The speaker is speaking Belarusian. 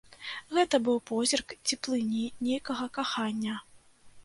Гэта быў позірк цеплыні, нейкага кахання.